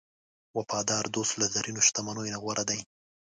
وفادار دوست له زرینو شتمنیو نه غوره دی.